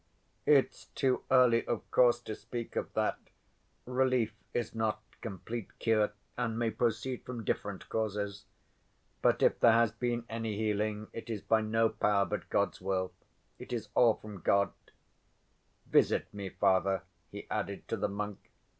"It's too early, of course, to speak of that. Relief is not complete cure, and may proceed from different causes. But if there has been any healing, it is by no power but God's will. It's all from God. Visit me, Father," he added to the monk.